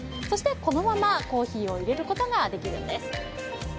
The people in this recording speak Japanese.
そして、このままコーヒーを入れることができるんです。